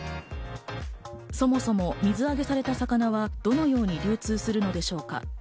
そもそも水揚げされた魚はどのように流通するのでしょうか。